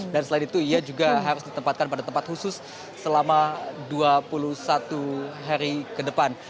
dan selain itu ia juga harus ditempatkan pada tempat khusus selama dua puluh satu hari ke depan